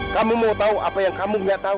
kamu mau tau apa yang kamu gak tau